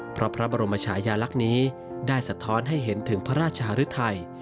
เพราะพระบรมชายาลักษณ์นี้ได้สะท้อนให้เห็นถึงพระราชหรือไทย